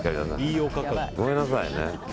ごめんなさいね。